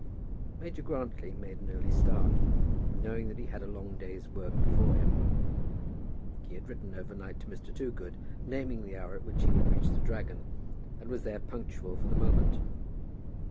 Major Grantly made an early start, knowing that he had a long day's work before him. He had written over night to Mr. Toogood, naming the hour at which he would reach "The Dragon," and was there punctual to the moment.